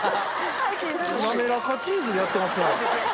滑らかチーズやってますわ。